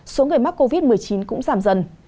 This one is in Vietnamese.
số người mắc covid một mươi chín cũng giảm dần